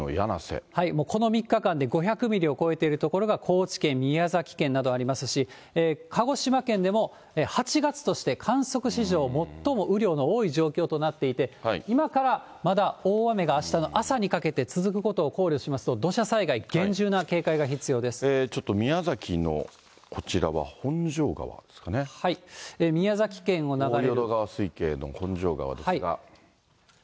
この３日間で５００ミリを超えている所が高知県、宮崎県などありますし、鹿児島県でも８月として観測史上最も雨量の多い状況となっていて、今からまだ大雨があしたの朝にかけて続くことを考慮しますと、土砂災害、ちょっと宮崎のこちらは本庄宮崎県を流れる。